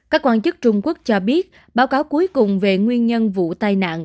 các quan chức trung quốc cho biết báo cáo cuối cùng về nguyên nhân vụ tai nạn